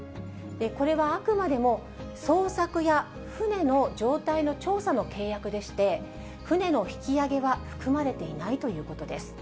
これはあくまでも捜索や船の状態の調査の契約でして、船の引き揚げは含まれていないということです。